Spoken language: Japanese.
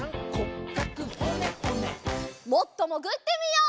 もっともぐってみよう。